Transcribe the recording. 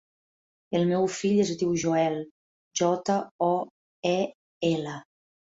El meu fill es diu Joel: jota, o, e, ela.